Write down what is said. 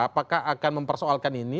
apakah akan mempersoalkan ini